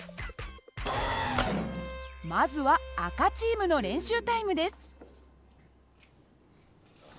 まずは赤チームの練習タイムです。